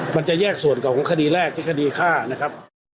มันจะแยกส่วนของคดีแรกที่คดีฆ่านะครับ